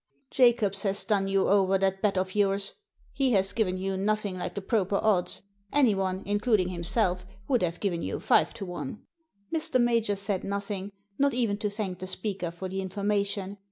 " Jacobs has done you over that bet of yours. He has given you nothing like the proper odds. Anyone, including himself, would have given you five to one." Mr. Major said nothing, not even to thank the speaker for the information.